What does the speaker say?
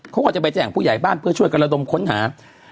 เขาก็จะไปแจ้งผู้ใหญ่บ้านเพื่อช่วยกันระดมค้นหา